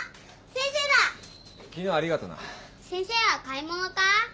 先生は買い物か？